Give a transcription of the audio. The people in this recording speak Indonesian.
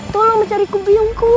tolong mencari biongku